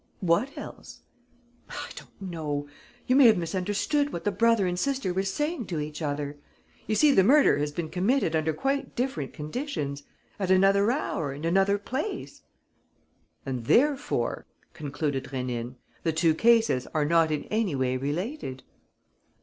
"What else?" "I don't know.... You may have misunderstood what the brother and sister were saying to each other.... You see, the murder has been committed under quite different conditions ... at another hour and another place...." "And therefore," concluded Rénine, "the two cases are not in any way related?"